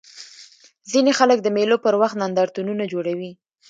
ځيني خلک د مېلو پر وخت نندارتونونه جوړوي.